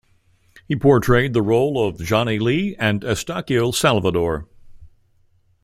He portrayed the role of Johnny Lee and Estaquio Salvador.